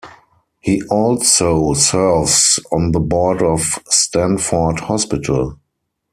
He also serves on the board of Stanford Hospital.